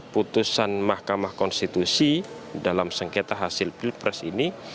putusan mahkamah konstitusi dalam sengketa hasil pilpres ini